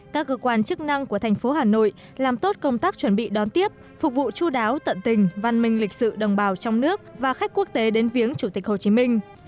các cơ quan chức năng của thành phố hà nội làm tốt công tác chuẩn bị đón tiếp phục vụ chú đáo tận tình văn minh lịch sự đồng bào trong nước và khách quốc tế đến viếng chủ tịch hồ chí minh